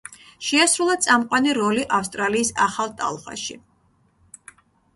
შეასრულა წამყვანი როლი ავსტრალიის ახალ ტალღაში.